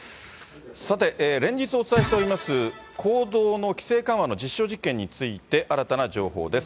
さて、連日お伝えしております、行動の規制緩和の実証実験について、新たな情報です。